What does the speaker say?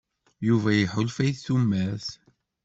Yuba iḥulfa i tumert.